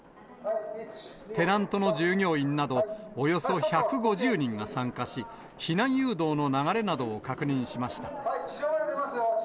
テナントの従業員など、およそ１５０人が参加し、避難誘導の流れなどを確認しました。